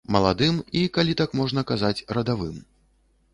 Маладым і, калі так можна казаць, радавым.